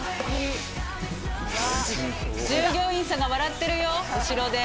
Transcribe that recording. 従業員さんが笑ってるよ、後ろで。